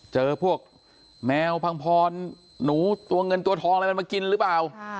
เจอพวกแมวพังพรหนูตัวเงินตัวทองอะไรมันมากินหรือเปล่า